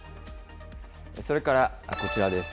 それからこちらです。